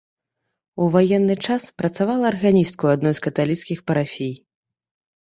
У ваенны час працавала арганісткай ў адной з каталіцкіх парафій.